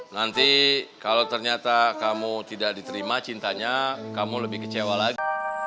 nanti kalau ternyata kamu tidak diterima cintanya kamu lebih kecewa lagi